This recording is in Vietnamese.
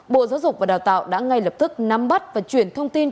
bộ giáo dục và đào tạo đã ngay lập tức nắm bắt và chuyển thông tin